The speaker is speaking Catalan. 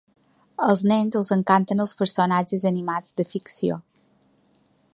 Als nens els encanten els personatges animats de ficció.